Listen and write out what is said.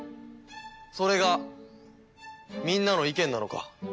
それがみんなの意見なのか？